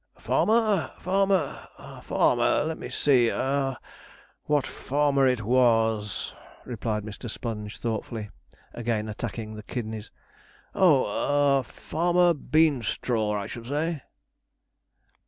'Farmer farmer farmer let me see, what farmer it was,' replied Mr. Sponge thoughtfully, again attacking the kidneys. 'Oh, farmer Beanstraw, I should say.'